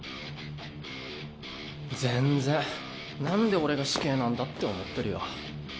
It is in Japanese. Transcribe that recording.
「なんで俺が死刑なんだ？」って思ってるよ。